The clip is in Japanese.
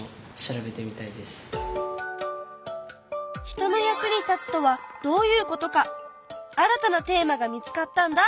人の役に立つとはどういうことか新たなテーマが見つかったんだ。